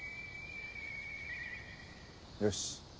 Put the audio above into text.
よし。